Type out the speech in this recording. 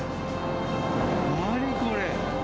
何これ？